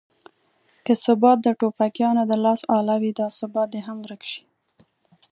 که ثبات د ټوپکیانو د لاس اله وي دا ثبات دې هم ورک شي.